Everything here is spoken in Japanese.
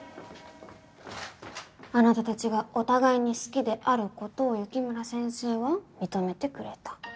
あなたたちがお互いに好きであることを雪村先生は認めてくれた。